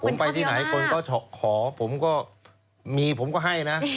ผมไปที่ไหนคนก็ขอผมก็มีผมก็ให้นะ